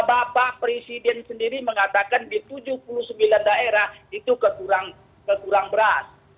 bapak presiden sendiri mengatakan di tujuh puluh sembilan daerah itu kekurang beras